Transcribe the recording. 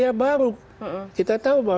itu akan menimbulkan biaya baru